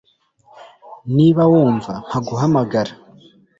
Niba wumva , mpa guhamagara.